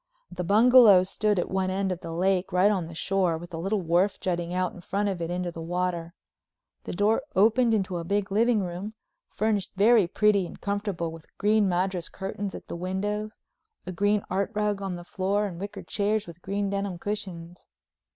The bungalow stood at one end of the lake right on the shore, with a little wharf jutting out in front of it into the water. The door opened into a big living room, furnished very pretty and comfortable with green madras curtains at the windows, a green art rug on the floor, and wicker chairs with green denim cushions.